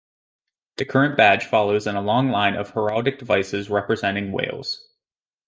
The current badge follows in a long line of heraldic devices representing Wales.